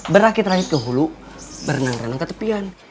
berakit rangit ke hulu berenang renang ke tepian